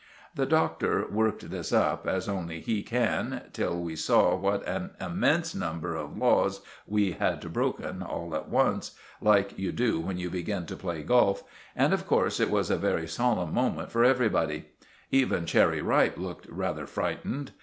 The Doctor worked this up, as only he can, till we saw what an immense number of laws we had broken all at once—like you do when you begin to play golf—and, of course, it was a very solemn moment for everybody. Even Cherry Ripe looked rather frightened.